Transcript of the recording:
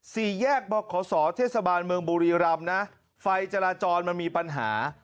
สี่แยกบขศเทศบาลเมืองบุรีรำนะไฟจราจรมันมีปัญหา